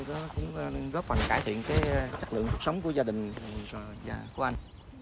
đó cũng góp phần cải thiện cái chất lượng cuộc sống của gia đình của anh